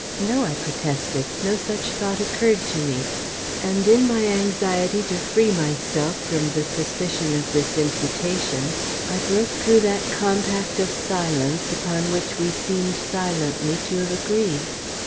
"No," I protested. "No such thought occurred to me," and in my anxiety to free myself from the suspicion of this imputation I broke through that compact of silence upon which we seemed silently to have agreed.